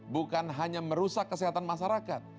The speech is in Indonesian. bukan hanya merusak kesehatan masyarakat